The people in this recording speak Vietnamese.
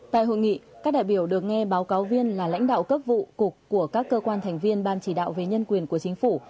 tại hội nghị các đại biểu được nghe báo cáo viên là lãnh đạo cấp vụ cục của các cơ quan thành viên ban chỉ đạo về nhân quyền của chính phủ